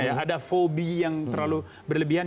ada fobi yang terlalu berlebihan